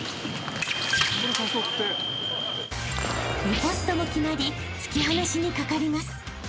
［リポストも決まり突き放しにかかります］